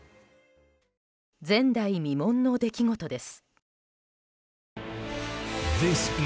前代未聞の出来事です。